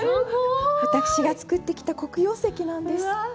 私が作ってきた黒曜石なんです。